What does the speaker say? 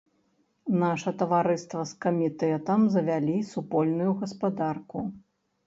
Наша таварыства з камітэтам завялі супольную гаспадарку.